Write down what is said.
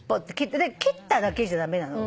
切っただけじゃ駄目なの。